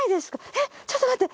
えっちょっと待って。